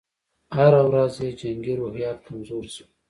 هره ورځ یې جنګي روحیات کمزوري شول.